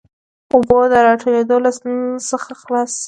اوبو د راټولېدو له ستونزې څخه خلاص سي.